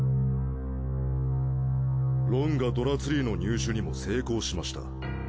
ロンがドラツリーの入手にも成功しました